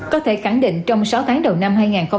có thể khẳng định trong sáu tháng đầu năm hai nghìn hai mươi